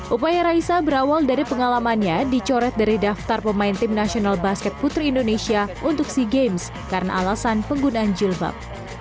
upaya raisa berawal dari pengalamannya dicoret dari daftar pemain tim nasional basket putri indonesia untuk sea games karena alasan penggunaan jilbab